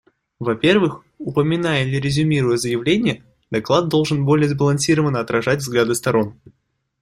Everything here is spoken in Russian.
Во-первых, упоминая или резюмируя заявления, доклад должен более сбалансировано отражать взгляды сторон.